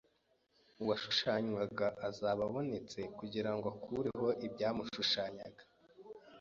uwashushanywaga azaba abonetse kugira ngo akureho ibyamushushanyaga